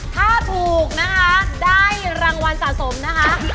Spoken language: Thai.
ถ้าถูกนะคะได้รางวัลสะสมนะคะ